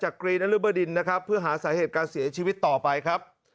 กรีนรุบดินนะครับเพื่อหาสาเหตุการเสียชีวิตต่อไปครับ